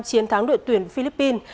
chiến thắng đội tuyển philippines